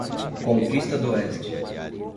Conquista d'Oeste